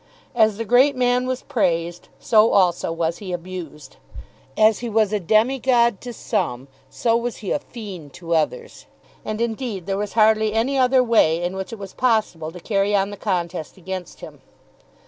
As the great man was praised, so also was he abused. As he was a demi god to some, so was he a fiend to others. And indeed there was hardly any other way in which it was possible to carry on the contest against him.